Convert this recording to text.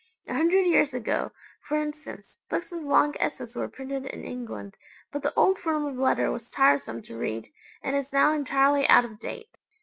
A hundred years ago, for instance, books with long 's's' were printed in England; but the old form of letter was tiresome to read, and is now entirely out of date.